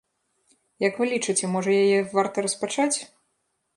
Як вы лічыце, можа яе варта распачаць?